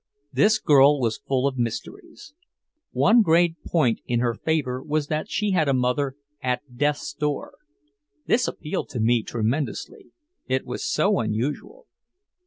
This girl was full of mysteries. One great point in her favor was that she had a mother "at death's door." This appealed to me tremendously. It was so unusual.